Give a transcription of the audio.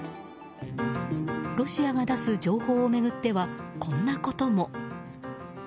ロシアが出す情報を巡ってはこんなことも。